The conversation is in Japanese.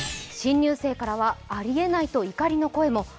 新入生からはありえないと怒りの声も。